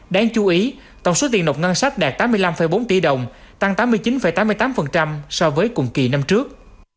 đáng chú ý tổng số tiền nộp ngân sách đạt tám mươi năm bốn tỷ đồng tăng tám mươi chín tám mươi tám so với cùng kỳ năm trước